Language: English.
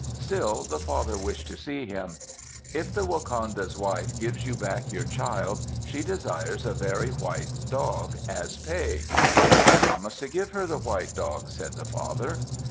Still, the father wished to see him. "If the wakanda's wife gives you back your child, she desires a very white dog as pay." "I promise to give her the white dog," said the father.